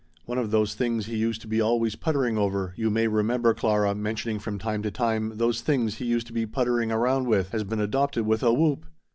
One of those things he used to be always puttering over you may remember, Clara, mentioning, from time to time, those things he used to be puttering around with has been adopted with a whoop.